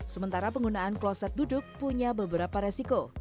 sementara penggunaan kloset duduk punya beberapa resiko